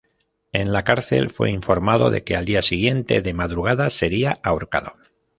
En la cárcel fue informado de que al día siguiente, de madrugada, sería ahorcado.